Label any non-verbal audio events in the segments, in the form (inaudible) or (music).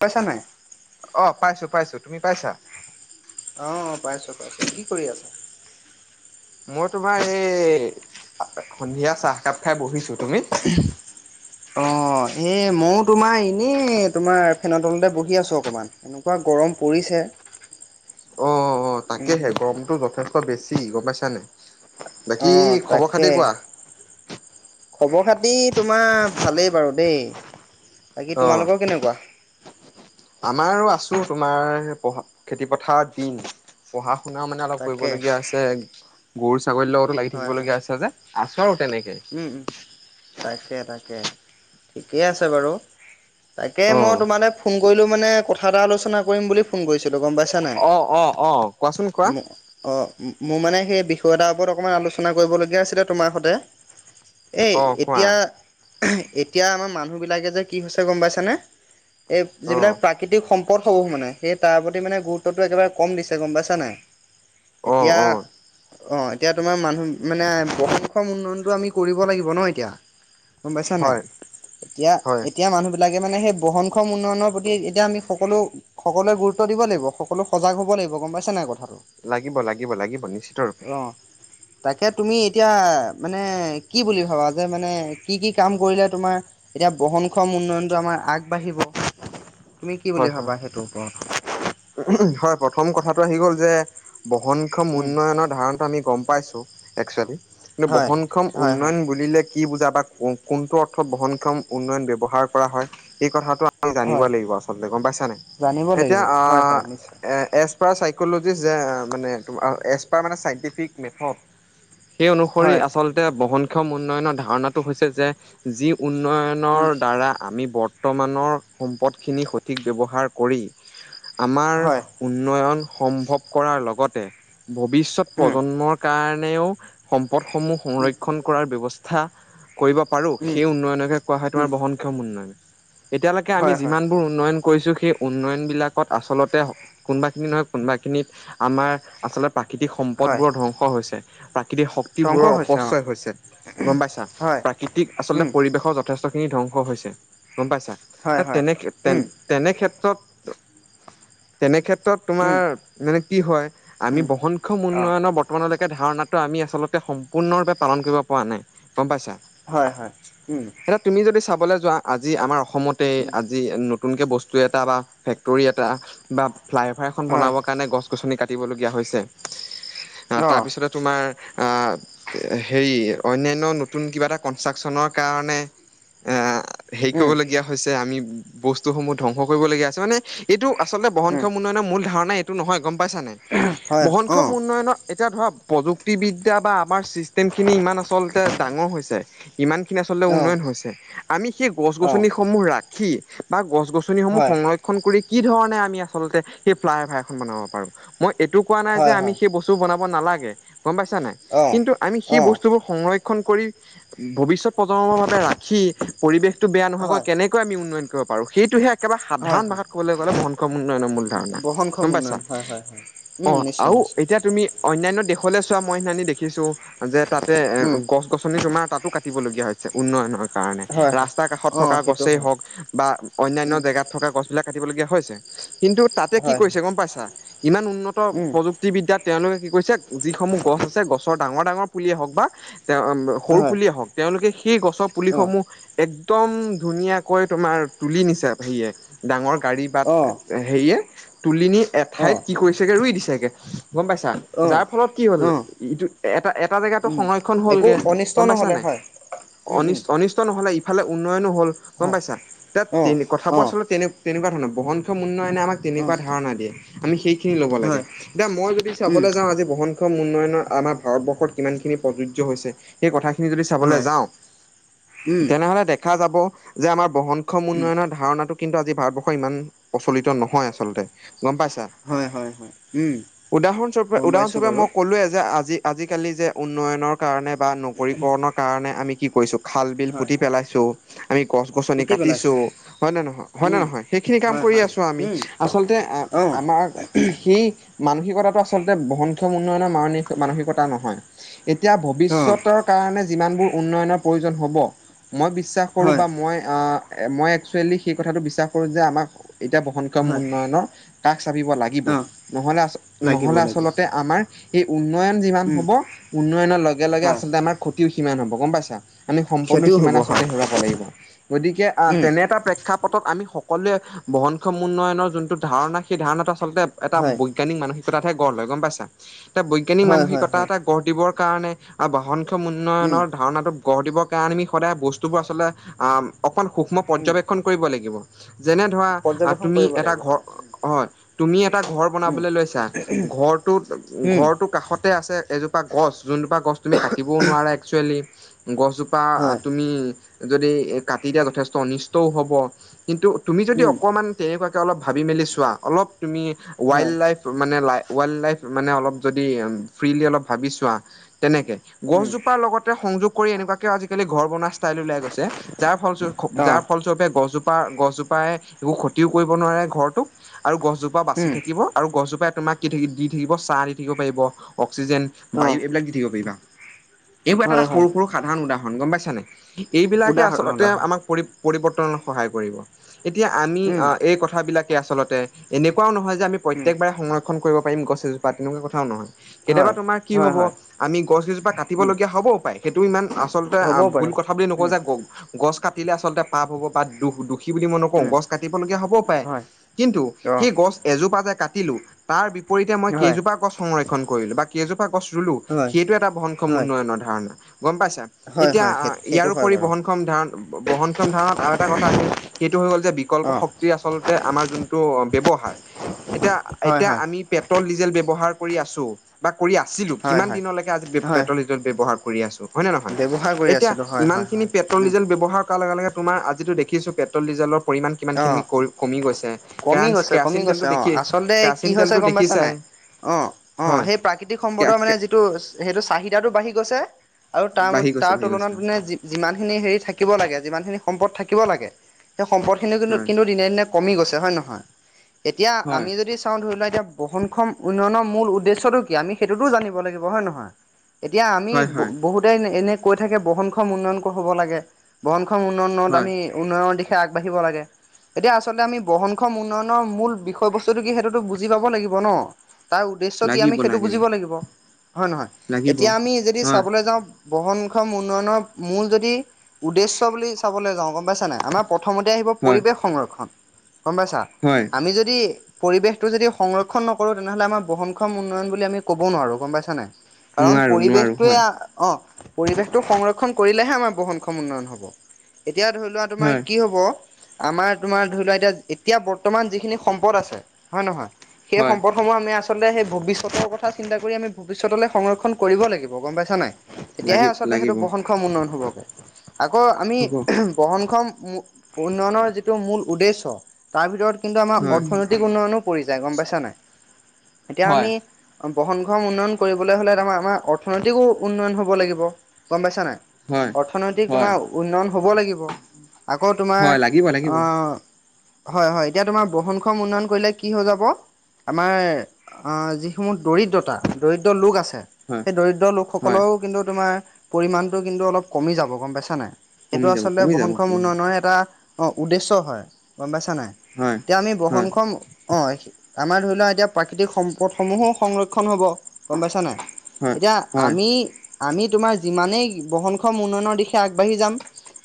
পাইছা নাই অ' পাইছো পাইছো তুমি পাইছা অ' পাইছোঁ পাইছোঁ কি কৰি আছা মই তোমাৰ এই সন্ধিয়া চাহ একাপ খাই বহিছো তুমি (inaudible) অ' এ মইয়ো তোমাৰ এনেই তোমাৰ ফেনৰ তলতে বহি আছো অকমান এনেকুৱা গৰম পৰিছে অ' অ' তাকেহে গৰমটো যথেষ্ট বেছি গম পাইছা নাই বাকী অঁ খবৰ তাকে। খাতি কোৱা খবৰ খাতি তোমাৰ ভালেই বাৰু দেই বাকী অ', তোমালোকৰ কেনেকুৱা আমাৰো আছো তোমাৰ খেতি পথাৰ দিন পঢ়া শুনা মানে অলপ তাকে কৰিবলগীয়া আছে গৰু ছাগলীৰ লগতো লাগি হয় হয়। থাকিবলগীয়া আছে যে আছো আৰু তেনেকে উম উম তাকে তাকে ঠিকে আছে বাৰু তাকে মই অ'। তোমালে ফোন কৰিলো মানে কথা এটা আলোচনা কৰিম বুলি ফোন কৰিছিলো গম পাইছা নাই অ', অ' অ' কোৱাচোন কোৱা অ' মোৰ মানে সেই বিষয় এটাৰ ওপৰত অকণমান আলোচনা কৰিবলগীয়া আছিলে তোমাৰ সতে এই অ', কোৱা এতিয়া এতিয়া আমাৰ মানুহবিলাকে যে কি হৈছে গম পাইছানে এই অ', যিবিলাক প্ৰাকৃতিক সম্পদ সমূহ মানে সেই তাৰ প্ৰতি মানে গুৰুত্বটো একেবাৰে কম দিছে গম পাইছা নাই এতিয়া অ এতিয়া তোমাৰ মানুহ মানে বহনক্ষম উন্নয়ন টো আমি কৰিব লাগিব ন এতিয়া গম পাইছা নাই হয় এতিয়া হয় এতিয়া মানুহবি বিলাকে মানে সেই বহনক্ষম উন্নয়নৰ প্ৰতি এতিয়া আমি সকলো সকলোৱে গুৰুত্ব দিব লাগিব সকলো সজাগ হ'ব লাগিব গম পাইছা নাই কথাটো লাগিব লাগিব লাগিব নিশ্চিত ৰূপে অ' তাকে তুমি এতিয়া মানে কি বুলি ভাবা যে মানে কি কি কাম কৰিলে তোমাৰ এতিয়া বহনখম উন্নয়নটো আমাৰ আগবাঢ়িব তুমি কি বুলি হয় হয়। ভাবা সেইটোৰ ওপৰত হয় প্ৰথম কথাটো আহি গ'ল যে বহনক্ষম উম, উন্নয়নৰ ধাৰণটো আমি গম পাইছোঁ এক্সেয়েলি হয়, বহনক্ষম হয়, হয়, উন্নয় বুলিলে কি বুজা বা কোনটো অৰ্থত বহনক্ষম উন্নয়ন ব্যৱহাৰ কৰা হয় সেই কথাটো জানিব হয়, লাগিব আচলতে গম পাইছা নাই জানিব এতিয়া লাগিব হয় হয় নিশ্চয় এ এপাৰ চাইকলজি যে মানেম এপ মানে চাইন্টিফিক মেথড- সেই অনুসৰি হয়, আচলতে বহনক্ষম উন্নয়নৰ ধাৰণাটো হৈছে যে-যি উম, উন্নয়ন- দ্বাৰা আমি বৰ্তমানৰ সম্পদখিনি সঠিক ব্যৱহাৰ কৰি- আমাৰ হয়, উন্নয়ন সম্ভৱ কৰাৰ লগতে, ভৱিষ্যত উম, প্ৰজন্মৰ- কাৰণেও সম্পদসমূহ উম, সংৰক্ষণ কৰাৰ ব্যৱস্থা- কৰিব পাৰোঁ উম, সেই উন্নয়নকে কোৱা হয় উম, তোমাৰ বহনক্ষম উন্নয়ন, এতিয়ালৈকে আমি হয়, হয়, যিমানবোৰ- উন্নয়ন কৰিছোঁ সেই উন্নয়ন বিলাক- আচলতে কোনোবাখিনি নহক কোনোবাখিনিত আমাৰ আচলতে প্ৰাকৃতিক হয়, সম্পদবোৰত ধৰ- ধ্বংস হৈছে। প্ৰাকৃতিক ধ্বংস শক্তিবোৰৰ হৈছে অ'। অপচয় হৈছে, গম পাইছা হয়, প্ৰাকৃতিক আচলতে উম, পৰিৱেশৰ য- যথেষ্টখিনি ধ্বংস হৈছে, গম পাইছা হয়, হয়, তেনে তে উম, তেনেক্ষেত্ৰত- তেনেক্ষেত্ৰত উম, তোমাৰ মানে কি হয় আমি উম, বহনক্ষম অ', উন্নয়নৰ ব- আপোনালোকে ধাৰণাটো আমি আচলতে সম্পূৰ্ণৰূপে পালন কৰিব পৰা নাই গম পাইছা। হয় হয়। উম। এতিয়া তুমি যদি চাবলৈ যোৱা আজি আমাৰ অসমতে উম, আজি নতুনকে বস্তু এটা বা ফেক্- তৰি এটা বা ফ্লাই অভাৰ এখন হয়, বনাবৰ কাৰণে গছ গছনি কাটিবলগীয়া হৈছে। অ তাৰ পিছতে তোমাৰ আহ- হেৰি অনান্য নতুন কিবা এটা কনষ্ট্ৰাকচনৰ কাৰণে, এ- হেৰি উম, কৰিবলগীয়া হৈছে আমি বস্তুসমূহ ধ্বংস কৰিব লগীয়া হৈছে মানে- এইটো আচলতে উম, বহনক্ষম উন্নয়নৰ মূল ধাৰণা এইটো নহয় গম পাইছা নাই, হয়, বহনক্ষম অ', উন্নয়নৰত- এতিয়া ধৰ প্ৰযুক্তিবদ্যা বা আমাৰ চিষ্টেম খিনি ইমান আচলতে ডাঙৰ হৈছে। ইমানখিনি আচলতে অ'। উন্নয়ন হৈছে আমি সেই গছ অঁ গছনিসমূহ ৰাখি বা গছ গছনি - হমো হয় সংৰক্ষণ কৰি কি ধৰণে আমি আচলতে সেই ফ্লাইফাইখন বনাব পাৰো মই- এইটো কোৱা নাই যে হয় আমি হয় সেই বস্তু বনাব নালাগে গম পাইছা নাই অঁ কিন্তু আমি সেই অঁ বস্তুবোৰ- সংৰক্ষণ কৰি, ভৱিষ্যত প্ৰজন্মৰ ভাৱে ৰাখি পৰিৱেশতটো বেয়া নোহোৱাকৈ হয় কেনেকৈ - আমি উন্ন কৰিব পাৰো সেইটোহে একেবাৰে- হয় সাধাৰণ হয় ভাষাত ক'বলৈ গ'লে বংশ উন্নয়নৰ মূল ধাৰণা বহনক্ষম গম পাইছা, উন্নয়ন হয় হয় হয় উম অঁ নিশ্চয় আৰু নিশ্চয় এতিয়া তুমি- অন্যান্য দেশলৈ চোৱা মই সি দেখিছো যে তাতে এ উম গছ- গছনি তোমাৰ তাতো কাটিবলগীয়া হৈছে উন্নয়ন - কাৰণে হয় হয় ৰাস্তাৰ কাষত অঁ থকা সেইটো গছেই হয় হওক, বা অন্যান্য উম জেগাত থকা গছ বিলাক কাটিবলগীয়া হৈছে। কিন্তু তাতে কি হয় কৰিছে গম পাইছা ইমান উন্নত উম প্ৰযুক্তি- যুক্তি বিদ্যাত তেওঁলোকে কি কৈছে যিসমূহ গছ আছে গছৰ ডাঙৰ ডাঙৰ পুলিয়ে হওক বা তেওঁ- সৰু হয় পুলিয়ে হওক তেওঁলোকে সেই গছৰ অঁ পুলিসমূহ- একদম ধুনীয়াকৈ তোমাৰ তুলি নিছে সেয়ে ডাঙৰ গাড়ী বাট- অঁ হেৰিয়ে তুলিনি অঁ এঠাইত কি কৰিছেগে ৰুই দিছেগে গম পাইছা? অঁ যাৰ ফলত কি হ'ল অঁ ইটো এটা এটা জেগাতো উম সংৰক্ষণ একো হলগে অনিষ্ট গম পাইছা নহ'লে নাই? হয় উম অন উম অনিষ্ট নহলে ইফালে উন্নয়নো হল গম হয় পাইছা এতিয়া তে অঁ কথাবোৰ অঁ আচলতে- তেনেকুৱ ধৰণৰ বহনক্ষম উন্নয়নে আমাক অঁ তেনেকুৱা ধাৰণায়ে আমি সেইখিনি লব লাগে হয় এতিয়া মই যদি- উম চাবলৈ যাওঁ আজি বহনক্ষম- উন্নয়নৰ আমাৰ ভাৰতবৰ্ষত কিমানখিনি প্ৰযোজ্য হৈছে সেই কথাখিনি যদি চাবলৈ হয় যাওঁ। উম তেনেহলে দেখা যাব যে আমাৰ বহনক্ষম উম উন্নয়নৰ ধাৰণাটো- কিন্তু আজি ভাৰতবৰ্ষ ইমান প্ৰচলিত নহয় আচলতে গম পাইছা। হয় হয় হয় উম উদাহৰণস্বৰূপে গম পাইছোঁ উদাহৰণস্বৰূপে বাৰু মই ক'লোৱে যে আজি- আজিকালি যে উন্নয়নৰ কাৰণে বা নকৰীকৰণৰ কাৰণে আমি কি কৰিছোঁ খাল বিল হয় পুতি পেলাইছোঁ। আমি গছ গছনি পুতি পেলাইছে কাটিছো হয় নে নহয়? হয় নে উম নহয়? সেইখিনি কাম হয় কৰি হয় আছোঁ আমি উম আচলতে আ অ', আমাৰ - সেই মানসিকতাটো আচলতে বহনক্ষম উন্নয়নৰ মান মানসিকতা নহয়। এতিয়া অ', ভৱিষ্যতৰ কাৰণে যিমানবোৰ উন্নয়নৰ প্ৰয়োজন হব। মই বিশ্বাস কৰোঁ হয়, বা মই মই একচুৱেলি সেই - কথাটো বিশ্বাস কৰো যে আমাক এতিয়া বহনক্ষম হয়, উন্নয়নৰ কাষ চাপিব লাগিব। অ', নহলে আচ - লাগিব নহ'লে লাগিব। আচলতে আমাৰ এই উন্নয়ন যিমান উম, হ'ব উন্নয়নৰ লগে লগে হয়, আচলতে আমাক - ক্ষতিও সিমান হ'ব গম পাইছা। আমি সম্পন্ণ ক্ষতিও হ'ব সীমানে আচলতে হয়, হেৰুৱাব লাগিব। গতিকে আহ উম, তেনে এটা প্ৰেক্ষা - প্ৰেক্ষাপটত আমি সকলোৱে বহনক্ষম উন্নয়নৰ যোনটো ধাৰণা সেই ধাৰণাটো আচলতে এটা হয়, বৈ- বৈজ্ঞানিক মানসিকতাহে গঢ় লয় গম পাইছা এ বৈজ্ঞানিক হয়, হয়, মানসিকতা হয়, এটা গঢ় দিব কাৰণে বহনক্ষম - উম, উন্নয়নৰ ধাৰণাটো গঢ় দিবৰ কাৰণে আমি সদায় বস্তুবোৰ আচল অকমান সূক্ষ্ম উম, পৰ্যবেক্ষ - ক্ষণ কৰিব লাগিব। যেনে ধৰা পৰ্যবেক্ষণ তুমি কৰিব এটা লাগিব ঘৰ হয়, - হয়, তুমি এটা ঘৰ উম, বনাবলৈ লৈছা ঘৰটোত উম, ঘৰটো কাষতে আছে - এজোপা গছ যোনজোপা গছ তুমি কাটিবও নোৱাৰা একচুৱেলি - গছজোপা হয়, তুমি যদি এ কাটি দিয়া যথেষ্ট অনিষ্ট - ষ্ট‌ও হ'ব, কিন্তু তুমি যদি উম, অকমান তেনেকুৱাকে অলপ ভাবি মেলি চোৱা অলপ তুমি - হয়, ৱাইল্ড লাইফ মানে ল ৱাইল্ড লাইফ মানে অলপ যদি ফ্ৰিলি অলপ ভাবিছোৱা - তেনেকে, উম, গছজোপাৰ লগতে সংযোগ কৰি এনেকুৱাকেও আজিকালি ঘৰ বনোৱা ষ্টাইল ওলাই গৈছে - যাৰ ফলস্ব যাৰ অ', ফলস্বৰূপে গছজোপা গছজোপাই একো ক্ষতিও কৰিব নোৱাৰে ঘৰটো - আৰু গছজোপা বাচি উম, থাকিব আৰু গছজোপাই তোমাক কি দি থাকিব চাহ দি থাকিব পাৰিব। অক্সিজেন বায়ু অ', এইবিলাক দি থাকিব পাৰিবা। এইবোৰ এটা এটা হয়, হয়, সৰু সৰু সাধাৰণ উদাহৰণ গম পাইছা নাই। এইবিলাকে উদাহৰণ আচলতে উদাহৰণ, আমাক পৰি পৰিৱৰ্তনত সহায় কৰিব। এতিয়া আমি উম, এই কথাবিলাক - আচলতে এনেকুৱাও নহয় যে আমি উম, প্ৰত্যেকবাৰে সংৰক্ষণ কৰিব পাৰিম গছ এজোপা তেনেকুৱা কথাও নহয়। কেতিয়াবা হয়, তোমাৰ কি হয়, হব হয়, আমি গছ গজোপা উম, কাটিবলগীয়া হব‌ও পায় সেইটো ইমান আ- আচলতে হ'বও ভুল পাৰে, কথা বুলি নকওঁ উম, যে গ গছ কাটিলে আচলতে পাপ হ'ব বা দুখ দুখ - দুখি বুলি মই নকওঁ, উম, গছ কাটিবলীয়া হ'বও পাৰে, হয়, কিন্তু অ', সেই গছ এজোপা যে কাটিলো - তাৰ বিপৰীতে মই হয়, কেইজোপা গছ সংৰক্ষণ কৰিলো বা- কেইজোপা গছ ৰুলো হয়, হয়, সেইটো এটা বনক্ষম হয়, উন্নয়নৰ ধাৰণা, গম পাইছা? এতিয়া হয়, সেই সেইটো হয় ইয়াৰোপৰি বাৰু, বহনক্ষম ধাৰণ বহনক্ষম ধাৰণত আৰু এটা কথা আহে - সেইটো হৈ গ'ল যে বিকল্প অ', শক্তিৰ আচলতে আমাৰ যোনটো ব্যৱহাৰ। এতিয়া হয়, এতিয়া হয়, আমি পেট্ৰল ডিজেল ব্যৱহাৰ কৰি আছো। বা কৰি আছিলো, হয়, কিমান হয়। দিনলৈকে আজি হয় পেট্ৰল ডিজেল ব্যৱহাৰ কৰি আছো? হয় নে নহয়, ব্যৱহাৰ কৰি এতিয়া আছিলো হয় ইমান হয় খিনি হয় পেট্ৰল উম ডিজেল ব্যৱহাৰ কৰাৰ লগে লগে তোমাৰ আজিটো দেখিছো পে - পেট্ৰ'ল ডিজেলৰ পৰিমাণ কিমান অ খিনি কৰি কমি গৈছে। কমি কেৰাঞ্চ গৈছে কেৰাচিন কমি তেলটো গৈছে অ দেখিয়েই আচলতে কেৰাচি- কি হৈছে গম পাইছা নাই, অ অ হয় সেই প্ৰাকৃতিক সম্পদৰ মানে যি- টো সেইটো চাহিদাটো বাঢ়ি গৈছে আৰু তাৰ বাঢ়ি গৈছে তাৰ বাঢ়ি গৈছে তুলনাত মানে যি- যিমানখিনি হেৰি থাকিব লাগে যিমানখিনি সম্পদ থাকিব লাগে সেই সম্পদখিনিও কিন্তু হয় কিন্তু দিনে দিনে ক- কমি গৈছে, হয় নহয়? এতিয়া হয় আমি যদি চাওঁ ধৰি লোৱা এতিয়া - বহনক্ষম উন্নয়নৰ মূল উদ্দেশ্যটো কি, আমি সেইটোতো জানিব লাগিব, হয় নহয়? এতিয়া, আমি হয় হয় বহুতেই এনেই কৈ থাকে, বহনক্ষম উন্নয়ন হ'ব লাগে। বহনক্ষম উন্নয়নত, হয় আমি উন্নয়নৰ দিশে আগবাঢ়িব লাগে। এতিয়া আচলতে আমি বহনক্ষম উন্নয়নৰ মূল বিষয়বস্তুটো কি, সেইটোতো বুজি পাব লাগিব ন? তাৰ উদ্দেশ্য কি আমি সেইটো বুজিব লাগিব, হয় নহয়? লাগিব এতিয়া আমি যদি হয় চাবলৈ যাওঁ - বহনক্ষম উন্নয়নৰ মূল, যদি উদ্দেশ্য বুলি চাবলে যাওঁ, গম পাইছা, নাই? আমাৰ প পথমতে আহিব, হয় পৰিৱেশ সংৰক্ষণ। গম পাইছা? হয় আমি যদি পৰিৱেশটো যদি সংৰক্ষণ নকৰো তেনেহ'লে আমাৰ বহনক্ষম উন্নয়ন বুলি আমি ক'ব নোৱাৰো গম পাইছা নাই কাৰণ, নোৱাৰো নোৱাৰো পৰিৱেশটোৱে হয় আ অঁ, পৰিৱেশটো সংৰক্ষণ কৰিলেহে, আমাৰ বহনক্ষম উন্নয়ন হ'ব। এতিয়া, ধৰি লোৱা, তোমাৰ হয় কি হ'ব? আমাৰ, তোমাৰ, ধৰি লোৱা, এতিয়া। এতিয়া, বৰ্তমান যিখিনি সম্পদ আছে, হয় নহয়? সেই হয় সম্পদ। সমূহ, আমি, আচলতে, সেই ভৱিষ্যতৰ কথা চিন্তা কৰি, আমি ভৱিষ্যতলে সংৰক্ষণ কৰিব লাগিব। গম পাইছা, নাই? তেতিয়াহে, লাগি আচলতে, সেইটো লাগিব বহনক্ষম উন্নয়ন হ'ব পাৰে। আকৌ, আমি হ'ব বহনক্ষম মূ উন্নয়নৰ যিটো মূল উদ্দেশ্য, তাৰ ভিতৰত, কিন্তু, আমাৰ হয় অৰ্থনৈতিক উন্নয়নো পৰি যায়, গম পাইছা, নাই? এতিয়া, হয় আমি অঁ, বহনক্ষম উন্নয়ন কৰিবলে হ'লে, তাপা আমা অৰ্থনৈতিকো উন্নয়ন হ'ব লাগিব। গম পাইছা, নাই? অৰ্থনৈতিক, হয় তোমাৰ, উন্নয়ন হ'ব লাগিব। আকৌ, তোমাৰ, হয় লাগিব লাগিব অঁ। হয়, হয়। এতিয়া, তোমাৰ বহনক্ষম উন্নয়ন কৰিলে, কি হৈ যাব? আমাৰ আ যিসমূহ দৰিদ্ৰতা, দৰিদ্ৰ লোক আছে। হয় সেই দৰিদ্ৰ হয় লোকসকলও, কিন্তু, তোমাৰ, পৰিমাণটো কিন্তু অলপ কমি যাব। গম পাইছা নাই কমি এইটো, যাব আচলতে, কমি যাব বহনক্ষম কমি যাব উন্নয়নৰ এটা উদ্দেশ্য হয়। গম পাইছা, নাই? হয়। এতিয়া, আমি হয় বহনক্ষম। অঁ, আমাৰ, ধৰি লোৱা, এতিয়া, প্ৰাকৃতিক সম্পদসমূহো সংৰক্ষণ হ'ব। গম পাইছা, নাই? হয় এতিয়া, হয় আমি আমি, তোমাৰ, যিমানেই বহনক্ষম উন্নয়নৰ দিশে আগবাঢ়ি যাম,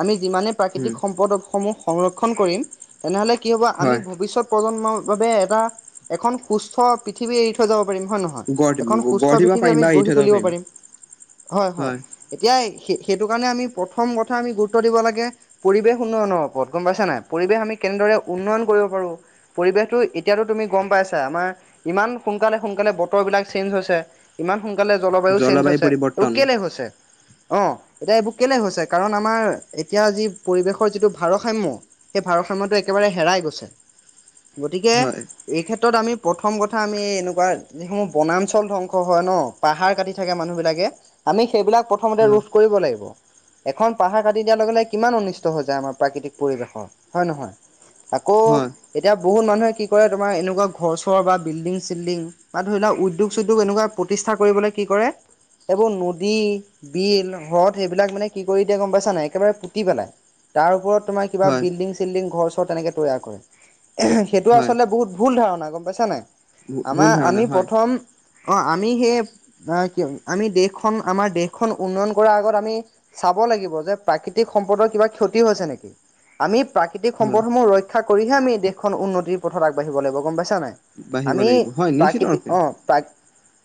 আমি যিমানে প্ৰাকৃতিক উম সম্পদসমূহ সংৰক্ষণ কৰিম। তেনেহ'লে, কি হ'ব? আমি, হয় ভৱিষ্যত প্ৰজন্মৰ বাবে এটা, এখন সুস্থ পৃথিৱী এৰি থৈ যাব পাৰিম, হয় নে নহয়? গঢ় এখন সুস্থ গঢ় দিব পৃথিৱী, পাৰিম আমি বা এৰি গঢ়ি থৈ যাব তুলিব পাৰিম। হয়, হয়। এতিয়া, হে সেইটো কাৰণে, আমি প্ৰথম কথা আমি গুৰুত্ব দিব লাগে। পৰিৱেশ উন্নয়নৰ ওপৰত, গম পাইছা, নাই? পৰিৱেশ আমি কেনেদৰে উন্নয়ন কৰিব পাৰোঁ? পৰিৱেশটো, এতিয়াতো, তুমি গম পাইছা, আমাৰ ইমান সোনকালে-সোনকালে বতৰবিলাক চেঞ্জ হৈছে। ইমান সোনকালে, জলবায়ু চেঞ্জ হৈছে এবো কেলে হৈছে? অঁ, এতিয়া, এইবো কিয় হৈছে? কাৰণ, আমাৰ এতিয়া যি পৰিৱেশৰ যিটো ভাৰসাম্য, সেই ভাৰসাম্যটো একেবাৰে হেৰাই গৈছে। গতিকে। হয় এই ক্ষেত্ৰত, আমি প্ৰথম কথা আমি এনেকুৱা সমূহ বনাঞ্চল ধ্বংস হয় পাহাৰ কাটি থাকে, মানুহবিলাকে। আমি, সেইবিলাক প্ৰথমতে হয় ৰোধ কৰিব লাগিব। এখন পাহাৰ কাটি দিয়াৰ লগে লগে, কিমান অনিচ ত হৈছে আমাৰ প্ৰাকৃতিক পৰিৱেশৰ, হয় নহয়? আকৌ হয় এতিয়া, বহুত মানুহে কি কৰে? তোমাৰ, এনেকুৱা ঘৰ-চৰ বা বিল্ডিং-চিল্ডিং বা, ধৰি লোৱা, উদ্যোগ-চদ্যোগ, এনেকুৱা প্ৰতিষ্ঠা কৰিবলে, কি কৰে? এইবোৰ নদী, বিল, হ্ৰদ সেইবিলাক, মানে, কি কৰি দিয়ে, গম পাইছা নাই? একেবাৰে পুতি পেলায়। তাৰ ওপৰত, তোমাৰ, কিবা হয় বিল্ডিং-চিল্ডিং, ঘৰ-চৰ তেনেকে তৈয়াৰ কৰে। সেইটো, হয় আচলতে, বহুত। ভুল ধাৰণা, গম পাইছা, নাই? ভুল আমাৰ, ধাৰণা আমি হয় প্ৰথম, অঁ, আমি সেই আ কি হল আমি দেশখন, আমাৰ দেশখন, উন্নয়ন কৰাৰ আগত, আমি চাব লাগিব যে প্ৰাকৃতিক সম্পদৰ কিবা ক্ষতি হৈছে নেকি আমি প্ৰাকৃতিক হয় সম্পদসমূহ ৰইক শিক্ষা কৰিহে আমি দেশখন উন্নতিৰ পথত আগবাঢ়িব লাগিব গম পাইছা নাই বাঢ়িব আমি লাগিব হয় নিশ্চিত প্ৰাকৃতিক ৰূপে অঁ পাক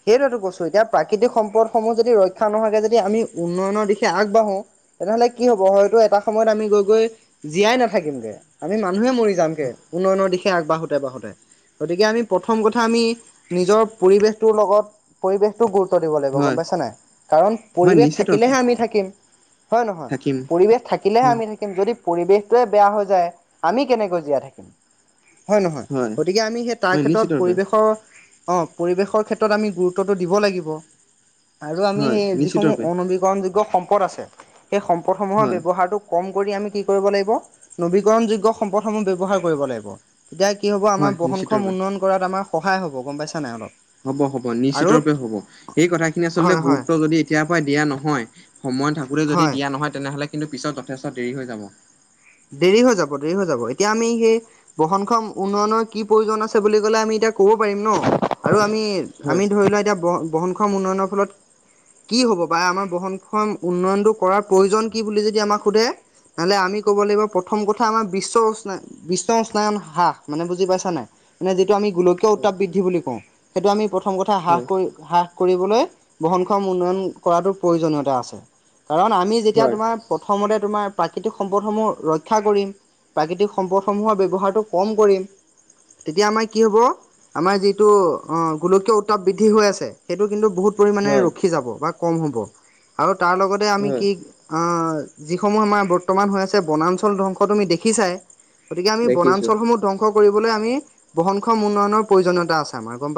সেইটোটো কৈছো এতিয়া প্ৰাকৃতিক সম্পদসমূহ যদি ৰক্ষা নোহোৱাকে যদি আমি উন্নয়নৰ দিশে আগবাঢ়ো, তেনেহলে কি হব হয়তো এটা সময়ত আমি গৈ গৈ জীয়াই নাথাকিমগে। আমি মানুহে মৰি যাম কেে উন্নয়নৰ দিশে আগবাঢোতে বাঢ়োতে। গতিকে আমি প্ৰথম কথা আমি নিজৰ পৰিৱেশটোৰ লগত পৰিৱেশটোোক গুৰুত্ব দিব লাগিব গম হয় পাইছা নাই কাৰণ হয় পৰিৱেশ নিশ্চিত ৰূপে থাকিলেহে আমি থাকিম। হয় নহয়? থাকিম পৰিৱেশ থাকিলেহে, হয় আমি থাকিম, যদি পৰিৱেশটোৱে বেয়া হৈ যায়, আমি কেনেকৈ জীয়াই থাকিম? হয় নহয়? গতিকে, আমি, সেই তাৰ হয় ক্ষেত্ৰত, নিশ্চিত ৰূপে পৰিৱেশৰ অঁ পৰিৱেশৰ ক্ষেত্ৰত আমি গুৰুত্বটো দিব লাগিব আৰু আমি হয় সেই নিশ্চিত যিসমূহ ৰূপে অণু যোগ্য সম্পত আছে সেই সম্পতসমূহ হয় ব্যৱহাৰটো কম কৰি আমি কি কৰিব লাগিব নবীকৰণ যোগ্য সম্পদসমূহ আমি ব্যৱহাৰ কৰিব লাগিব। তেতিয়া কি হব হয় আমাৰ বহন নিশ্চিত খম ৰূপে উন্নয়ন কৰাত আমাৰ সহায় হ'ব গম পাইছা নাই অলপ? হব হব নিশ্চিত আৰু ৰূপে হব সেই কথাখিনি আচলতে হয় হয় গুৰুত্ব যদি এতিয়াৰ পৰা দিয়া নহয় সময় থাকোঁতে যদি হয় দিয়া নহয় তেনেহ'লে কিন্তু পিছত যথেষ্ট দেৰি হৈ যাব। দেৰি হৈ যাব দেৰি হৈ যাব। এতিয়া আমি সেই বহন খ উন্নয়নৰ কি প্ৰয়োজন আছে বুলি কলে আমি এতিয়া ক'ব পাৰিম ন আৰু আমি হয় আমি ধৰি লোৱা এতিয়া ব বহনখম উন্নয়নৰ ফলত কি হ'ব বাৰে আমাৰ বহনখন উন্নয়নতটো কৰাৰ প্ৰয়োজন কি বুলি যদি আমাক সোধে? চালে আমি ক'ব লাগিব প্ৰথম কথা আমাৰ বিশ্ব উ বিশ্ব উনায়ন হ্ৰাস মানে বুজি পাইছা নাই? মানে যিটো আমি গোলকীয় হয় উত্তাপ বৃদ্ধি বুলি কওঁ সেইটো আমি প্ৰথম কথা হ্ৰাস কৰি হ্ৰাস কৰিবলৈ বহন খম উন্নয়ন কৰাটো প্ৰয়োজনীয়তা আছে। কাৰণ আমি যেতিয়া হয় তোমাৰ প্ৰথমতে তোমাৰ প্ৰাকৃতিক সম্পদসমূহ ৰক্ষা কৰিম প্ৰাকৃতিক সম্পদসমূহৰ ব্যৱহাৰটো কম কৰিম। তেতিয়া আমাৰ কি হ'ব? আমাৰ যিটো গোলকীয় উত্তাপ বৃদ্ধি হৈ আছে সেইটো কিন্তু বহুত হয় পৰিমাণে হয় ৰখি যাব। বা কম হ'ব আৰু তাৰ লগতে আমি হয় কি যিসমূহ আমাৰ ব বৰ্তমান হৈ আছে বনাঞ্চল ধংস তুমি দেখিছাই গতিকে আমি দেখিছোঁ। বনাঞ্চলসমূহত ধ্বংস অ কৰিবলৈ আমি বহনক্ষম উন্নয়নৰ প্ৰয়োজনতা আছে।